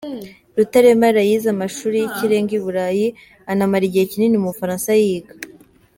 Rutaremara yize amashuri y’ikirenga i Burayi, anamara igihe kinini mu Bufaransa yiga.